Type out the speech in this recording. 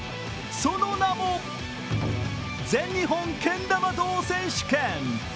その名も全日本けん玉道選手権。